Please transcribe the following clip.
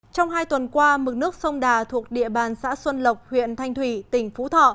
trong hai tuần qua mực nước sông đà thuộc địa bàn xã xuân lộc huyện thanh thủy tỉnh phú thọ